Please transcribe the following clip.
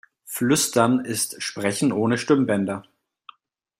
Flüstern ist Sprechen ohne Stimmbänder.